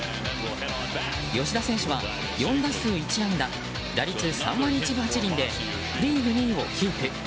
吉田選手は４打数１安打打率３割１分８厘でリーグ２位をキープ。